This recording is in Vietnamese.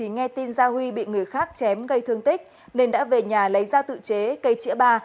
nghe tin gia huy bị người khác chém gây thương tích nên đã về nhà lấy ra tự chế cây trĩa bà